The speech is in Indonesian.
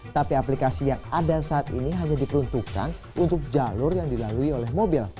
tapi aplikasi yang ada saat ini hanya diperuntukkan untuk jalur yang dilalui oleh mobil